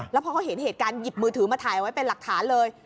แล้วพอเขาเห็นเหตุการณ์หยิบมือถือมาถ่ายไว้เป็นหลักฐานเลย